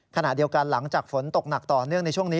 ขณะเดียวกันหลังจากฝนตกหนักต่อเนื่องในช่วงนี้